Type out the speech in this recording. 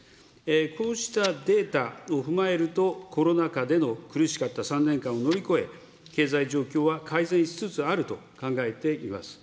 こうしたデータを踏まえると、コロナ禍での苦しかった３年間を乗り越え、経済状況は改善しつつあると考えています。